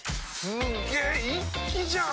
すげ一気じゃん！